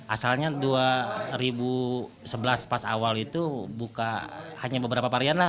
asalnya dua ribu sebelas pas awal itu buka hanya beberapa varian lah